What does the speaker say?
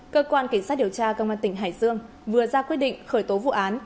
cơ quan cảnh sát điều tra công an tỉnh hải dương vừa ra quyết định khởi tố vụ án